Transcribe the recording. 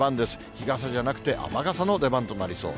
日傘じゃなくて、雨傘の出番となりそう。